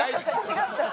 違った。